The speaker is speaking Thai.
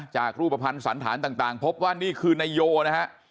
จากรูปภัณฑ์สันฐานต่างพบว่านี่คือนายโยนะฮะ